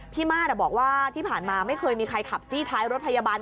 มาสบอกว่าที่ผ่านมาไม่เคยมีใครขับจี้ท้ายรถพยาบาล